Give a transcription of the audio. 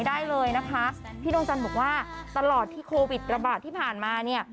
ได้เลยนะคะพี่ดวงจันทร์บอกว่าตลอดที่โควิดระบาดที่ผ่านมาเนี่ย